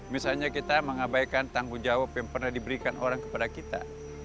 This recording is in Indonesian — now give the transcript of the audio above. misalnya kita mengabaikan tanggung jawab yang pernah diberikan orang kepada kita